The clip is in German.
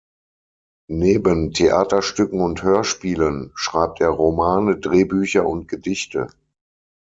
Neben Theaterstücken und Hörspielen schreibt er Romane, Drehbücher und Gedichte.